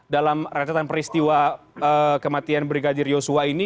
dalam rentetan peristiwa kematian brigadir yosua ini